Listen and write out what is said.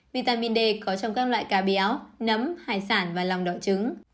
vitamin d có trong các loại cá béo nấm hải sản và lòng đỏ trứng